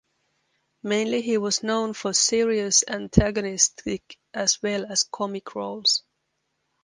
Mainly he was known for serious antagonistic as well as comic roles.